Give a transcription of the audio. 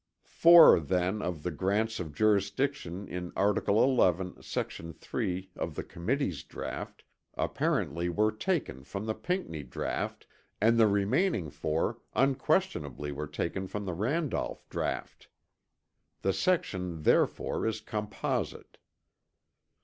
Four then of the grants of jurisdiction in article XI section 3 of the Committee's draught apparently were taken from the Pinckney draught and the remaining four unquestionably were taken from the Randolph draught. The section therefore is composite.